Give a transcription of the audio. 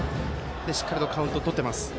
しっかりとカウントをとってます。